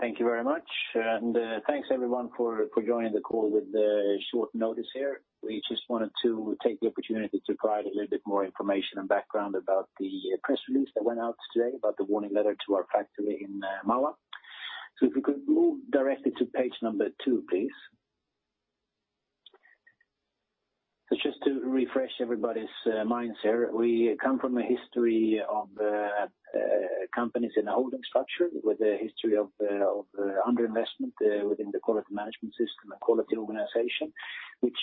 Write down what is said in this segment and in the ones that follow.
All right, thank you very much, and, thanks everyone for joining the call with the short notice here. We just wanted to take the opportunity to provide a little bit more information and background about the press release that went out today about the warning letter to our factory in Mahwah. So if we could move directly to page 2, please. So just to refresh everybody's minds here, we come from a history of companies in a holding structure, with a history of underinvestment within the quality management system and quality organization, which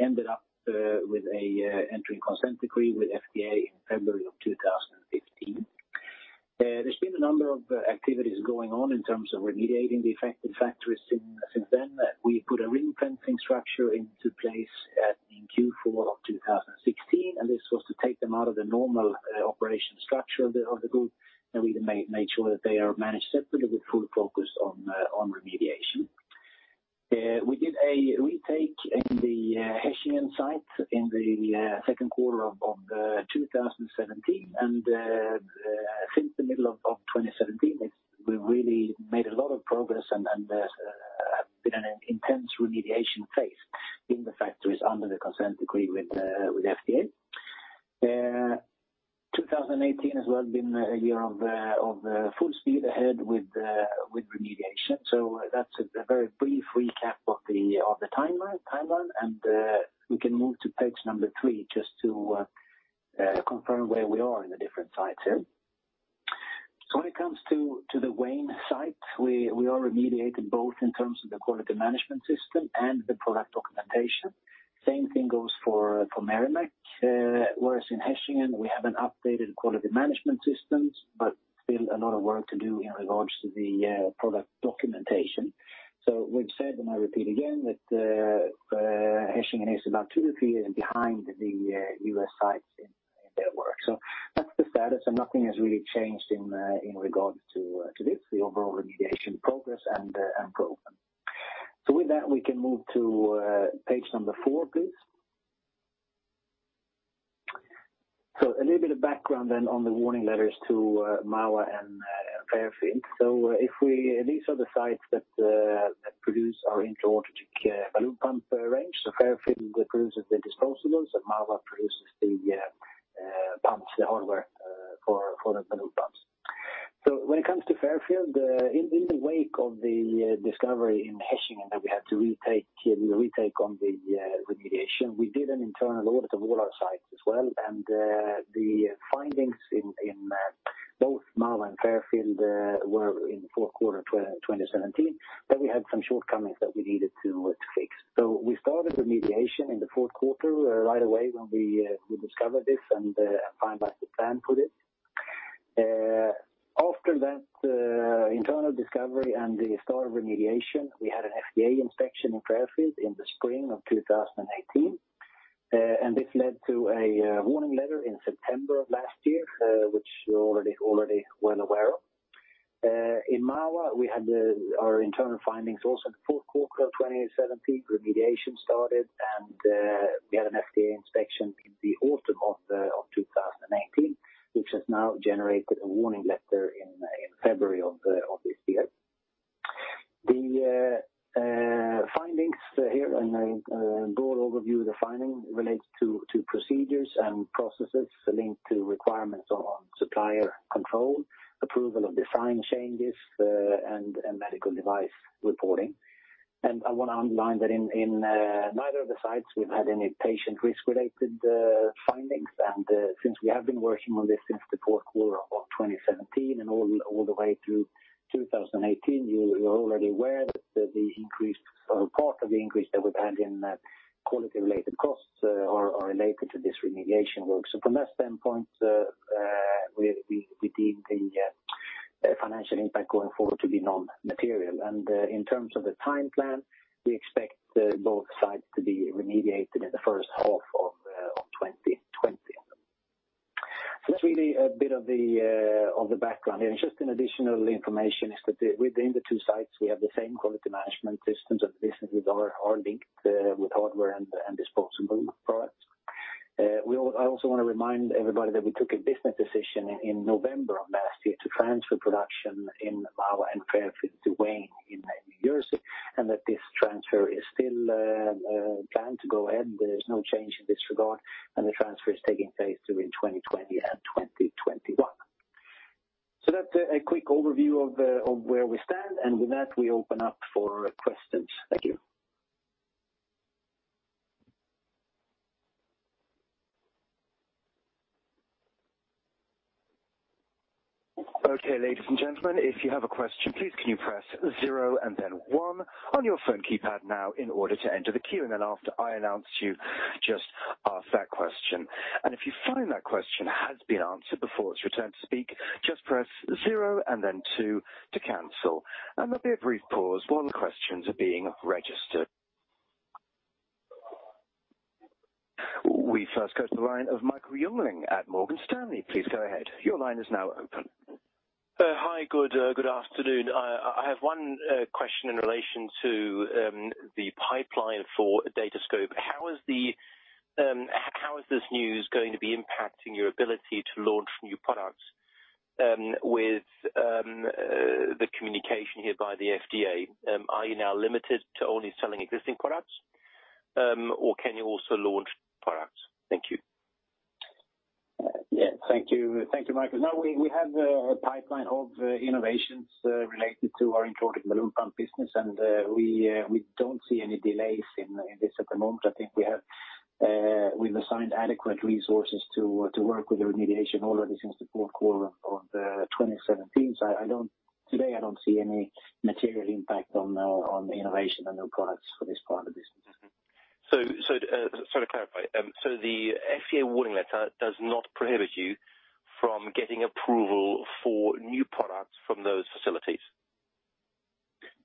ended up with entering Consent Decree with FDA in February 2015. There's been a number of activities going on in terms of remediating the affected factories since then. We put a ring-fencing structure into place in Q4 of 2016, and this was to take them out of the normal operation structure of the group. And we made sure that they are managed separately with full focus on remediation. We did a retake in the Hechingen site in Q2 of 2017, and since the middle of 2017, we've really made a lot of progress and been in an intense remediation phase in the factories under the Consent Decree with FDA. 2018 has well been a year of full speed ahead with remediation. So that's a very brief recap of the timeline, and we can move to page number 3 just to confirm where we are in the different sites here. So when it comes to the Wayne site, we are remediated both in terms of the quality management system and the product documentation. Same thing goes for Merrimack. Whereas in Hechingen, we have an updated quality management systems, but still a lot of work to do in regards to the product documentation. So we've said, and I repeat again, that Hechingen is about 2-3 years behind the U.S. sites in their work. So that's the status, and nothing has really changed in regards to the overall remediation progress and program. So with that, we can move to page number 4, please. So a little bit of background then on the warning letters to Mahwah and Fairfield. So these are the sites that produce our intra-aortic balloon pump range. So Fairfield produces the disposables, and Mahwah produces the pumps, the hardware for the balloon pumps. So when it comes to Fairfield, in the wake of the discovery in Hechingen that we had to retake on the remediation, we did an internal audit of all our sites as well. And the findings in both Mahwah and Fairfield were in the fourth quarter of 2017, that we had some shortcomings that we needed to fix. So we started remediation in the fourth quarter, right away when we discovered this and found out the plan for this. After that, internal discovery and the start of remediation, we had an FDA inspection in Fairfield in the spring of 2018. And this led to a warning letter in September of last year, which you're already well aware of. In Mahwah, we had our internal findings also in the fourth quarter of 2017. Remediation started, and we had an FDA inspection in the autumn of 2018, which has now generated a warning letter in February of this year. The findings here and broad overview of the findings relates to procedures and processes linked to requirements on supplier control, approval of design changes, and medical device reporting. And I want to underline that in neither of the sites, we've had any patient risk-related findings. And since we have been working on this since the fourth quarter of 2017 and all the way through 2018, you are already aware that the increased part of the increase that we've had in quality-related costs are related to this remediation work. So from that standpoint, we deem the financial impact going forward to be non-material. In terms of the time plan, we expect both sides to be remediated in the first half of 2020. So that's really a bit of the background here. Just an additional information is that within the two sites, we have the same quality management systems, and the businesses are linked with hardware and disposable products. I also want to remind everybody that we took a business decision in November of last year to transfer production in Mahwah and Fairfield to Wayne in New Jersey, and that this transfer is still planned to go ahead. There is no change in this regard, and the transfer is taking place during 2020 and 2021. That's a quick overview of where we stand, and with that, we open up for questions. Thank you. Okay, ladies and gentlemen, if you have a question, please, can you press zero and then one on your phone keypad now in order to enter the queue? And then after I announce you, just ask that question. And if you find that question has been answered before it's your turn to speak, just press zero and then two to cancel. And there'll be a brief pause while the questions are being registered. We first go to the line of Michael Jungling at Morgan Stanley. Please go ahead. Your line is now open. Hi, good afternoon. I have one question in relation to the pipeline for Datascope. How is this news going to be impacting your ability to launch new products, with the communication here by the FDA? Are you now limited to only selling existing products, or can you also launch products? Thank you. Yeah, thank you. Thank you, Michael. No, we have a pipeline of innovations related to our intra-aortic balloon pump business, and we don't see any delays in this at the moment. I think we've assigned adequate resources to work with the remediation already since the fourth quarter of 2017. So today, I don't see any material impact on the innovation and new products for this part of the business. Mm-hmm. So, to clarify, the FDA Warning Letter does not prohibit you from getting approval for new products from those facilities?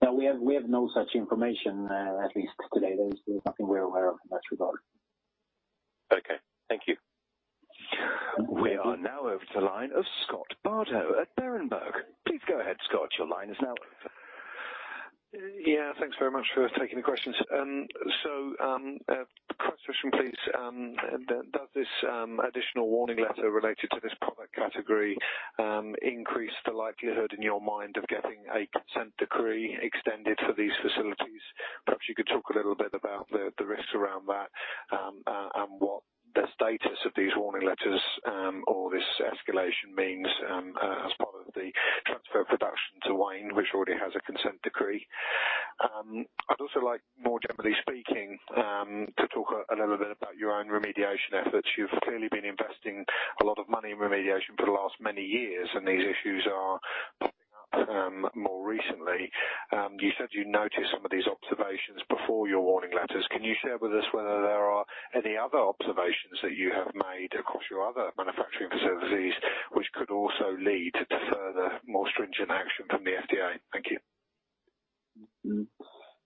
No, we have no such information, at least today. There's nothing we're aware of in that regard. Okay, thank you. Thank you. We are now over to the line of Scott Bardo at Berenberg. Please go ahead, Scott. Your line is now open. Yeah, thanks very much for taking the questions. So, first question, please, does this additional warning letter related to this product category increase the likelihood in your mind of getting a Consent Decree extended for these facilities? Perhaps you could talk a little bit about the risks around that, and what the status of these warning letters or this escalation means as part of the transfer of production to Wayne, which already has a Consent Decree. I'd also like, more generally speaking, to talk a little bit about your own remediation efforts. You've clearly been investing a lot of money in remediation for the last many years, and these issues are popping up more recently. You said you noticed some of these observations before your warning letters. Can you share with us whether there are any other observations that you have made across your other manufacturing facilities, which could also lead to further, more stringent action from the FDA? Thank you. Mm-hmm.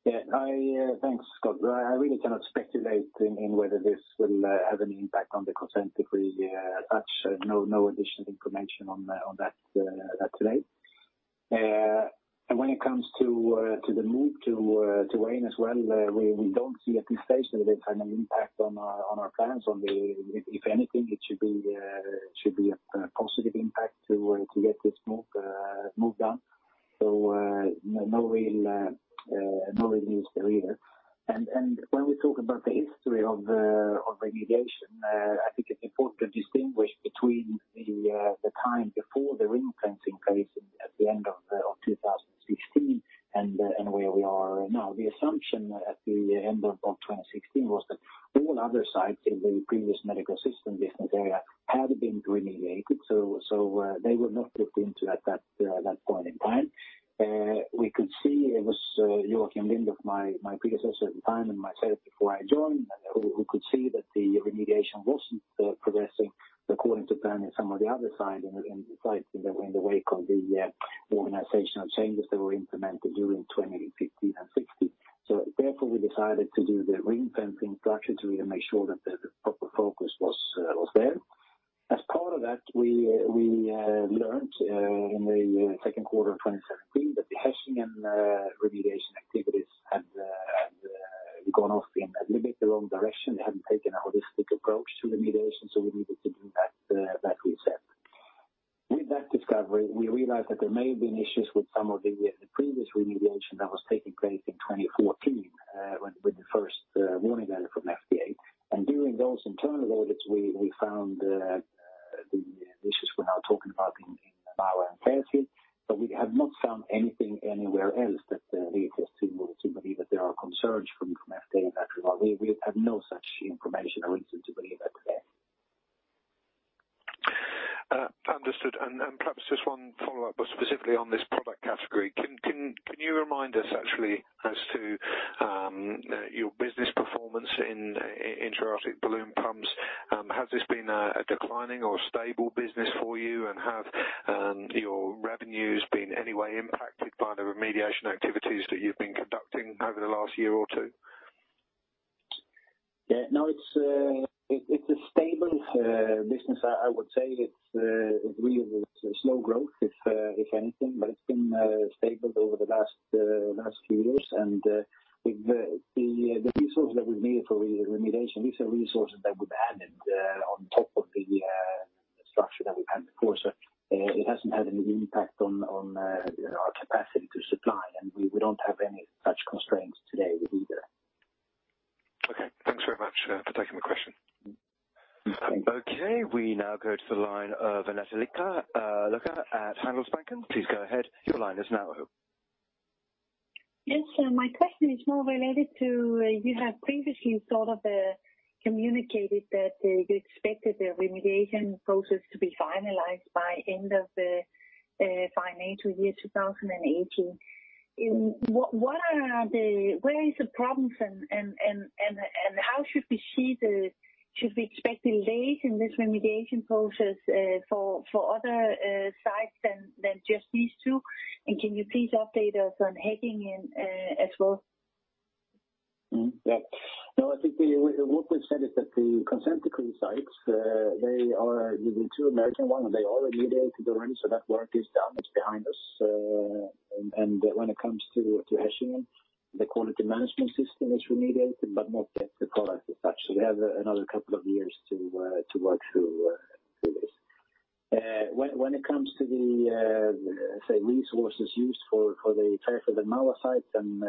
Yeah, thanks, Scott. I really cannot speculate in whether this will have any impact on the Consent Decree. As such, no additional information on that today. And when it comes to the move to Wayne as well, we don't see at this stage that it has an impact on our plans. On the if anything, it should be a positive impact to get this move moved on. So, no real news there either. When we talk about the history of remediation, I think it's important to distinguish between the time before the ring-fencing case at the end of 2016, and where we are now. The assumption at the end of 2016 was that all other sites in the previous Medical Systems Business area had been remediated, so they were not looked into at that point in time. We could see it was Joacim Lindoff, my predecessor at the time, and myself, before I joined, who could see that the remediation wasn't progressing according to plan in some of the other sites and sites in the wake of the organizational changes that were implemented during 2015 and 2016. So therefore, we decided to do the ring-fencing structure to really make sure that the proper focus was there. As part of that, we learned in the second quarter of 2017 that the Hechingen remediation activities had gone off in a little bit the wrong direction. They hadn't taken a holistic approach to remediation, so we needed to do that reset. With that discovery, we realized that there may have been issues with some of the previous remediation that was taking place in 2014 with the first Warning Letter from FDA. During those internal audits, we, we found, the issues we're now talking about in, in Mahwah and Fairfield, but we have not found anything anywhere else that leads us to, to believe that there are concerns from, from FDA in that regard. We, we have no such information or reason to believe that today. Understood. And perhaps just one follow-up, but specifically on this product category, can you remind us actually as to your business performance in intra-aortic balloon pumps? Has this been a declining or stable business for you, and have your revenues been any way impacted by the remediation activities that you've been conducting over the last year or two? Yeah. No, it's, it, it's a stable business. I, I would say it's really slow growth, if, if anything, but it's been stable over the last last few years. And, with the, the, the resources that we've made for remediation, these are resources that we've added on top of the structure that we had before. So, it hasn't had any impact on, on our capacity to supply, and we, we don't have any such constraints today with either. Okay. Thanks very much, for taking the question. Thank you. Okay. We now go to the line of Annette Lykke at Handelsbanken. Please go ahead. Your line is now open. Yes. So my question is more related to you have previously sort of communicated that you expected the remediation process to be finalized by end of the financial year, 2018. What are the problems and where is the problems and how should we see the should we expect delays in this remediation process for other sites than just these two? And can you please update us on Hechingen as well? Mm-hmm. Yeah. No, I think the, what we've said is that the Consent Decree sites, they are the two American ones, and they are remediated already, so that work is done. It's behind us. And, and when it comes to, to Hechingen, the quality management system is remediated, but not the, the product as such. So we have another couple of years to, to work through, through this. When, when it comes to the, say, resources used for, for the Fairfield and Mahwah sites, and,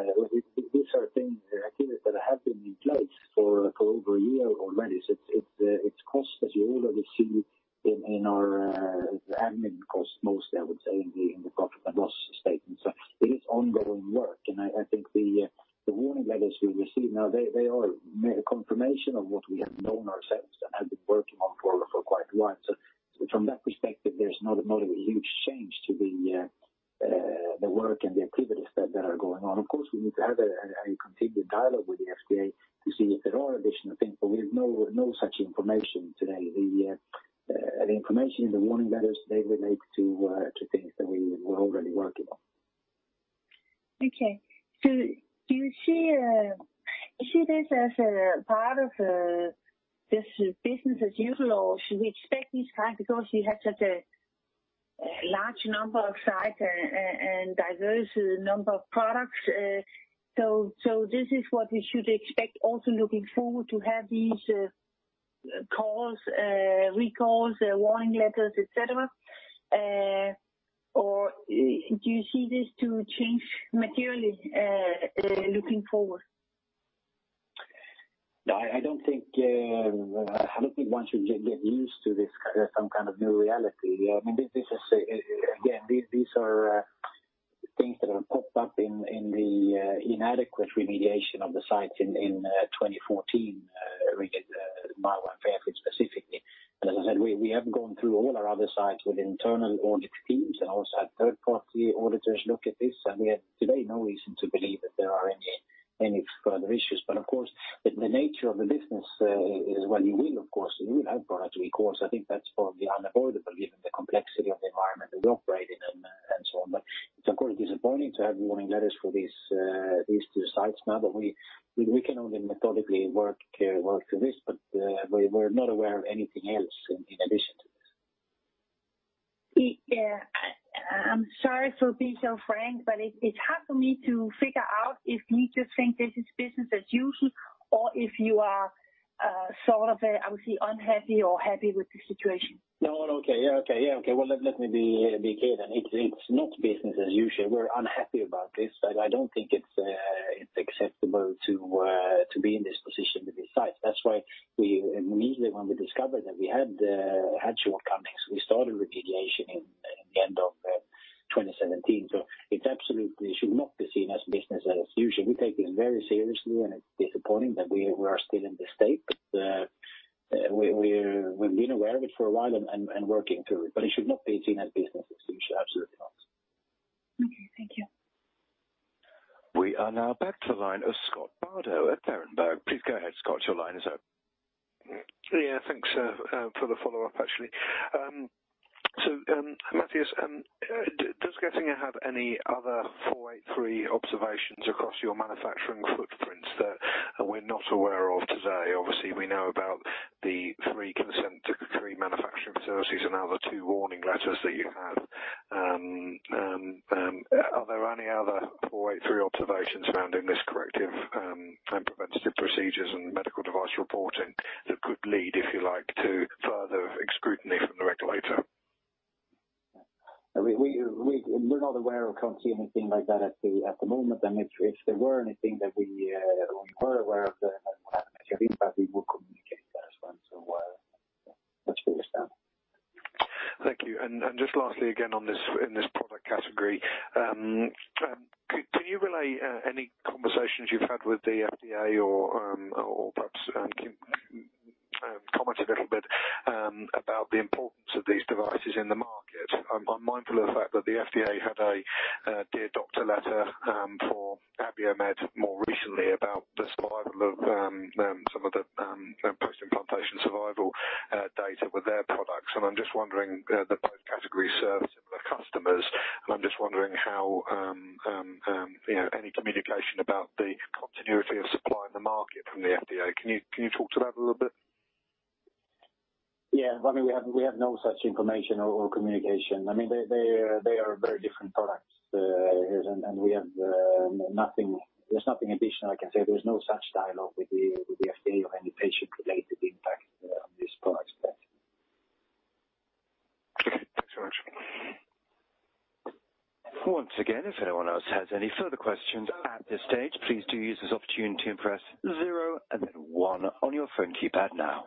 these are things, activities that have been in place for, for over a year already. So it's, it's, it's cost, as you already see in, in our, admin costs, mostly, I would say, in the, in the profit and loss statement. So it is ongoing work, and I think the warning letters we received, now, they are a confirmation of what we have known ourselves and have been working on for quite a while. So from that perspective, there's not a huge change to the work and the activities that are going on. Of course, we need to have a continued dialogue with the FDA to see if there are additional things, but we have no such information today. The information in the warning letters, they relate to things that we were already working on. Okay. Do you see this as a part of just business as usual, or should we expect this kind, because you have such a large number of sites and diverse number of products. So this is what we should expect also looking forward to have these calls, recalls, warning letters, et cetera, or do you see this to change materially looking forward? No, I don't think one should get used to this some kind of new reality. I mean, this is, again, these are things that have popped up in the inadequate remediation of the sites in 2014, Mahwah and Fairfield specifically. But as I said, we have gone through all our other sites with internal audit teams and also had third-party auditors look at this, and we have today no reason to believe that there are any further issues. But of course, the nature of the business is while you will, of course, you will have product recalls. I think that's probably unavoidable given the complexity of the environment that we operate in and so on. But it's of course disappointing to have warning letters for these two sites. Now, but we can only methodically work through this, but we're not aware of anything else in addition to this. Yeah. I'm sorry to be so frank, but it, it's hard for me to figure out if you just think this is business as usual, or if you are, sort of, I would say, unhappy or happy with the situation. No. Okay. Yeah, okay. Yeah, okay. Well, let me be clear then. It's not business as usual. We're unhappy about this, and I don't think it's acceptable to be in this position with these sites. That's why we immediately, when we discovered that we had shortcomings, we started remediation in the end of 2017. So it's absolutely should not be seen as business as usual. We take it very seriously, and it's disappointing that we are still in this state. But we're we've been aware of it for a while and working through it, but it should not be seen as business as usual. Absolutely not. Okay. Thank you. We are now back to the line of Scott Bardo at Berenberg. Please go ahead, Scott, your line is up. Yeah, thanks for the follow-up, actually. So, Mattias, does Getinge have any other 483 observations across your manufacturing footprints that we're not aware of today? Obviously, we know about the 3 Consent Decree manufacturing facilities and now the 2 warning letters that you have. Are there any other 483 observations around in this corrective and preventative procedures and medical device reporting that could lead, if you like, to further scrutiny from the regulator? We're not aware or can't see anything like that at the moment, then if there were anything that we were aware of the material impact, we would communicate that as well. So let's understand. Thank you. And just lastly, again, on this, in this product category, can you relay any conversations you've had with the FDA or, or perhaps, comment a little bit about the importance of these devices in the market? I'm mindful of the fact that the FDA had a Dear Doctor Letter for Abiomed more recently about the survival of some of the post-implantation survival data with their products. And I'm just wondering, both categories serve similar customers, and I'm just wondering how, you know, any communication about the continuity of supply in the market from the FDA. Can you talk to that a little bit? Yeah. I mean, we have no such information or communication. I mean, they are very different products, and we have nothing. There's nothing additional I can say. There's no such dialogue with the FDA or any patient-related impact on these products. Okay. Thanks very much. Once again, if anyone else has any further questions at this stage, please do use this opportunity and press zero and then one on your phone keypad now.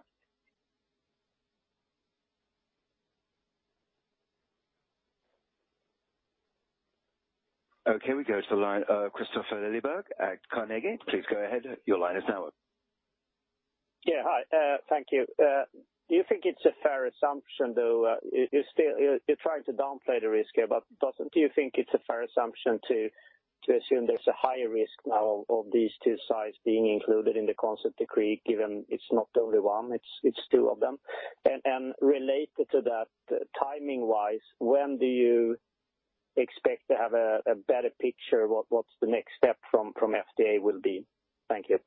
Okay, we go to the line, Christopher Liljeblad at Carnegie. Please go ahead. Your line is now up. Yeah, hi. Thank you. Do you think it's a fair assumption, though, you're still you're trying to downplay the risk here, but doesn't, do you think it's a fair assumption to assume there's a higher risk now of these two sites being included in the Consent Decree, given it's not only one, it's two of them? And related to that, timing-wise, when do you expect to have a better picture what the next step from FDA will be? Thank you.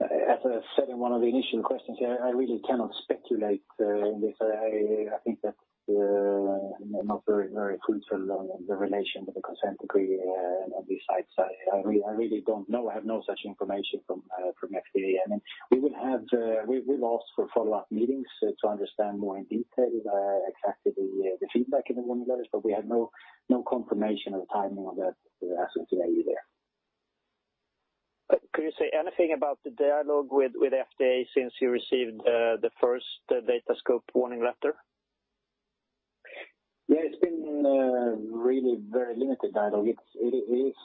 As I said in one of the initial questions, yeah, I really cannot speculate on this. I think that I'm not very, very crucial on the relation with the Consent Decree on these sites. I really don't know. I have no such information from FDA. I mean, we would have to we've asked for follow-up meetings to understand more in detail exactly the feedback in the warning letters, but we have no confirmation of the timing of that as of today. Can you say anything about the dialogue with FDA since you received the first Datascope Warning Letter? Yeah, it's been really very limited dialogue. It is,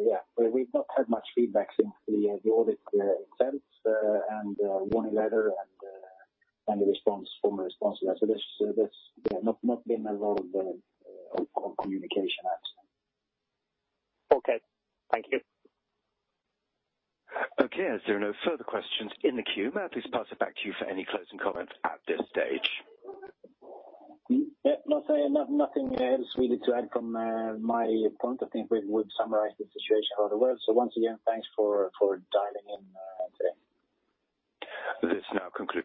yeah, we've not had much feedback since the audit exemption and Warning Letter and the response from the response. So that's, yeah, not been a lot of communication actually. Okay. Thank you. Okay. As there are no further questions in the queue, Mattias, pass it back to you for any closing comments at this stage. Yeah, nothing else we need to add from my point. I think we've summarized the situation rather well. So once again, thanks for dialing in today. This now concludes.